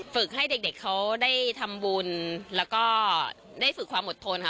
ฝึกให้เด็กเขาได้ทำบุญแล้วก็ได้ฝึกความอดทนค่ะ